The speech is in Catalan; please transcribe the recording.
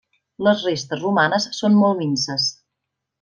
Les restes romanes són molt minses.